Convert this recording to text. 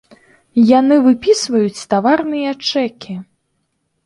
Яны выпісваюць таварныя чэкі!